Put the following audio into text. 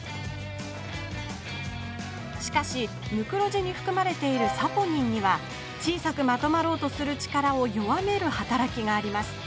しかしムクロジにふくまれているサポニンには小さくまとまろうとする力を弱める働きがあります。